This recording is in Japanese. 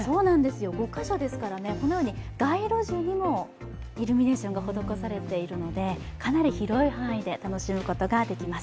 ５カ所ですから、街路樹にもイルミネーションが施されているのでかなり広い範囲で楽しむことができます。